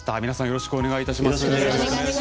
よろしくお願いします。